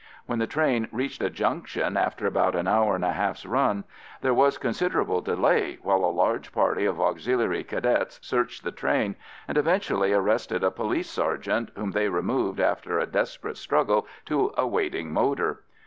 When the train reached a junction after about an hour and a half's run, there was considerable delay while a large party of Auxiliary Cadets searched the train, and eventually arrested a police sergeant, whom they removed after a desperate struggle to a waiting motor.